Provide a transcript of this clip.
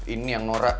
ini yang norak